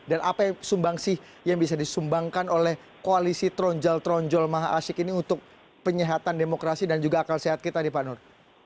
dan apa sumbang sih yang bisa disumbangkan oleh koalisi tronjol tronjol maha asyik ini untuk penyehatan demokrasi dan juga akal sehat kita nih pak nur